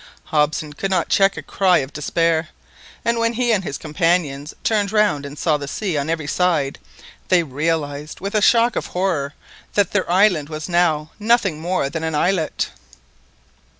Hobson could not check a cry of despair; and when he and his companions turned round and saw the sea on every side, they realised with a shock of horror that their island was now nothing more than an islet!